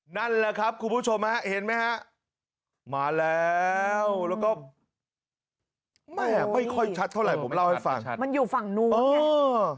นั่นแหละครับคุณผู้ชมฮะเห็นไหมฮะมาแล้วแล้วก็แม่ไม่ค่อยชัดเท่าไหร่ผมเล่าให้ฟังมันอยู่ฝั่งนู้นเออ